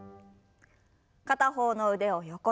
片方の腕を横に。